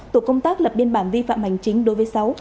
tổ công tác lập biên bản vi phạm hành chính đối với sáu